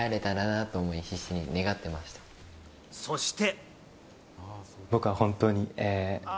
そして。